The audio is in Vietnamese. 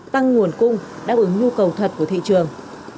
tăng nguồn cung đáp ứng nhu cầu thật của thị trường